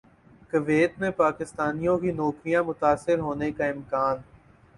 Kuwait میں پاکستانیوں کی نوکریاں متاثر ہونے کا امکان ہے